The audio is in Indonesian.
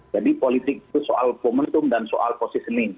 jadi politik itu soal momentum dan soal positioning